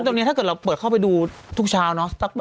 แต่ถ้าเกิดเราจะเปิดเข้าไปดูทุกเช้า